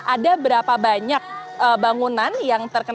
ada berapa banyak bangunan yang terkena